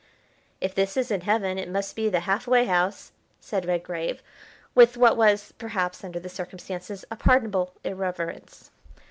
"If this isn't heaven it must be the half way house," said Redgrave, with what was, perhaps, under the circumstances, a pardonable irreverence.